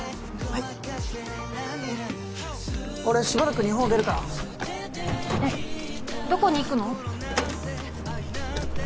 はい俺しばらく日本出るからえっどこに行くの？